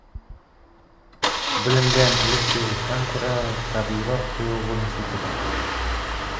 Bilimga intilish tuyg‘usidan ko‘ra tabiiyroq tuyg‘u bo‘lmasa kerak….